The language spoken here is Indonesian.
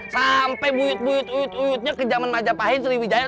sampai buyut buyut uyutnya ke jaman majapahit sriwijaya